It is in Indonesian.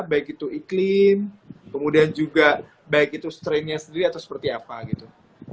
baik itu iklim kemudian juga baik itu strainnya sendiri atau seperti apa gitu